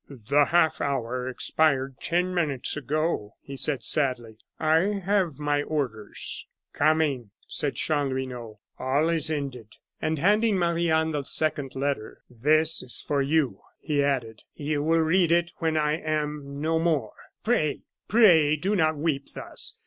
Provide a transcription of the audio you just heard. "The half hour expired ten minutes ago," he said, sadly. "I have my orders." "Coming," said Chanlouineau; "all is ended!" And handing Marie Anne the second letter: "This is for you," he added. "You will read it when I am no more. Pray, pray, do not weep thus!